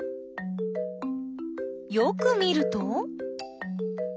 よく見ると。